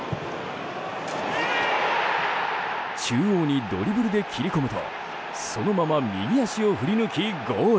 中央にドリブルで切り込むとそのまま右足を振りぬきゴール。